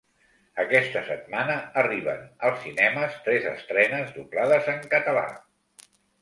Aquesta setmana arriben als cinemes tres estrenes doblades en català.